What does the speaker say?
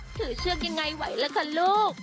เชือกยังไงไหวล่ะค่ะลูก